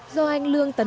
do anh lương tấn